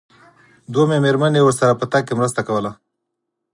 دويمې مېرمنې ورسره په تګ کې مرسته کوله.